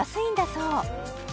そう